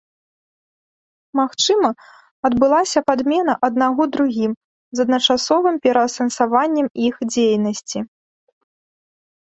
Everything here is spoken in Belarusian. Магчыма, адбылася падмена аднаго другім з адначасовым пераасэнсаваннем іх дзейнасці.